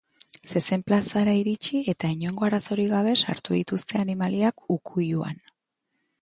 Zezen plazara iritsi eta inongo arazorik gabe sartu dituzte animaliak ukuiluan.